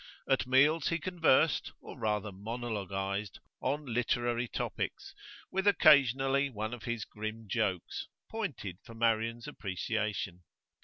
At meals he conversed, or rather monologised, on literary topics, with occasionally one of his grim jokes, pointed for Marian's appreciation.